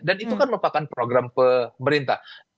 dan itu kan merupakan program pemerintah